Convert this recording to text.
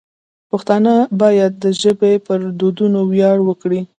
پښتانه باید د ژبې پر دودونو ویاړ وکړي.